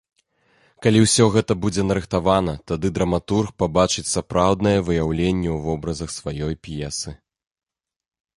Калі ўсё гэта будзе нарыхтавана, тады драматург пабачыць сапраўднае выяўленне ў вобразах сваёй п'есы.